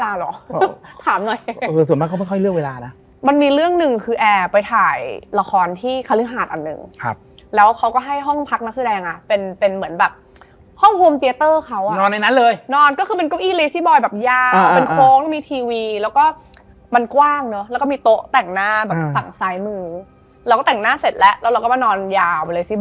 แล้วก็เหมือนมารู้ที่หลังว่ามันมีพี่คนที่เขาอยู่ข้างหลังเรา